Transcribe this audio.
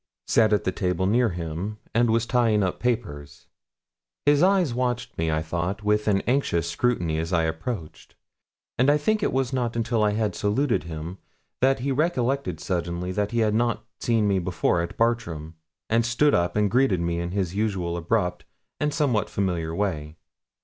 sat at the table near him, and was tying up papers. His eyes watched me, I thought, with an anxious scrutiny as I approached; and I think it was not until I had saluted him that he recollected suddenly that he had not seen me before at Bartram, and stood up and greeted me in his usual abrupt and somewhat familiar way.